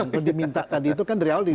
dan diminta tadi itu kan dari awal diisi